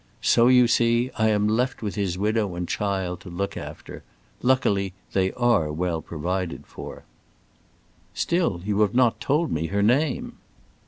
So, you see, I am left with his widow and child to look after. Luckily, they are well provided for." "Still you have not told me her name."